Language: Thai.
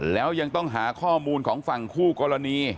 แล้วยังต้องหาข้อมูลของฝั่งคู่กรณี